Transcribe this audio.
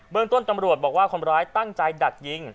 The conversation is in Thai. เมืองต้นตำรวจบอกว่าคนร้ายตั้งใจดักยิง